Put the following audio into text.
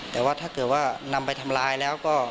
แต่ว่าถ้าเกิดว่านำไปทำลายแล้วก็